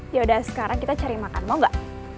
yaudah sekarang kita cari makan mau gak